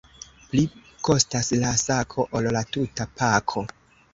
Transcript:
Pli kostas la sako, ol la tuta pako.